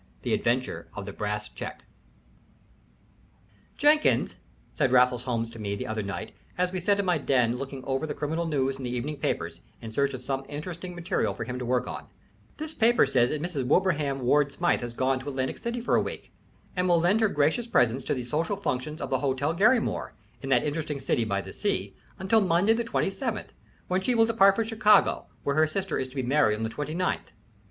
V THE ADVENTURE OF THE BRASS CHECK "Jenkins," said Raffles Holmes to me the other night as we sat in my den looking over the criminal news in the evening papers, in search of some interesting material for him to work on, "this paper says that Mrs. Wilbraham Ward Smythe has gone to Atlantic City for a week, and will lend her gracious presence to the social functions of the Hotel Garrymore, at that interesting city by the sea, until Monday, the 27th, when she will depart for Chicago, where her sister is to be married on the 29th.